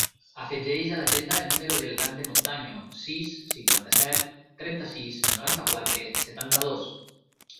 Afegeix a l'agenda el número del Dante Montaño: sis, cinquanta-set, trenta-sis, noranta-quatre, setanta-dos.